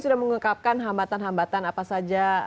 sudah mengungkapkan hambatan hambatan apa saja